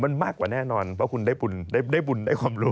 มันมากกว่าแน่นอนเพราะคุณได้บุญได้บุญได้ความรู้